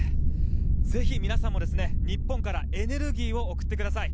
ぜひ皆さんも日本からエネルギーを送ってください。